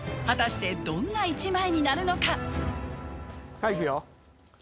はいいくよ。